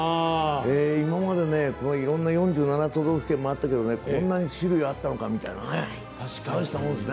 今まで、いろんな４７都道府県回ったけどこんなに種類があったのかとかねたいしたもんですね。